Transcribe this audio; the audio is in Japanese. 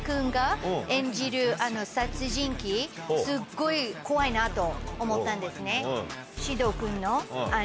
すっごい怖いなと思ったんですね。